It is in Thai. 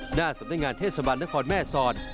หน้าสำนักงานเทศบาลนครแม่สอด